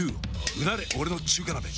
うなれ俺の中華鍋！